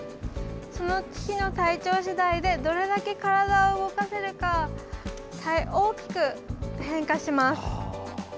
その日の体調次第でどれだけ体を動かせるか大きく変化します。